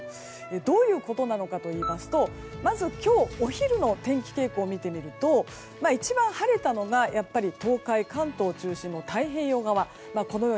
どういうことなのかといいますとまず今日お昼の天気傾向を見てみると一番晴れたのが、やっぱり東海、関東中心の太平洋側。